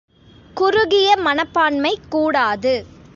குறுகிய மனப்பான்மை கூடாது.